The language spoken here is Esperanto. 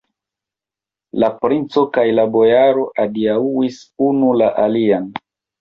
La princo kaj la bojaro adiaŭis unu la alian.